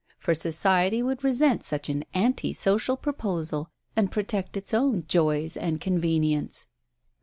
For Society would resent such an anti social proposal and protect its own joys and convenience.